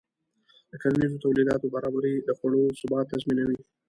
د کرنیزو تولیداتو برابري د خوړو ثبات تضمینوي.